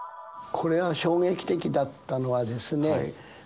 これは衝撃的だったのはですね